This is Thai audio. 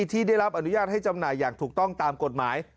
ที่ได้รับอนุญาตให้จำหน่ายอย่างถูกต้องตามกฎหมาย